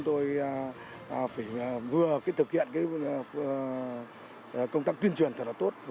tôi phải vừa thực hiện công tác tuyên truyền thật là tốt